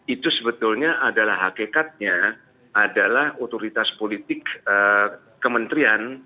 itu sebetulnya adalah hakikatnya adalah otoritas politik kementerian